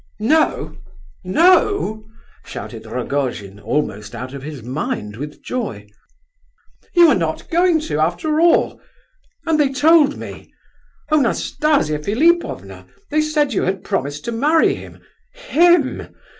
"No? No?" shouted Rogojin, almost out of his mind with joy. "You are not going to, after all? And they told me—oh, Nastasia Philipovna—they said you had promised to marry him, _him!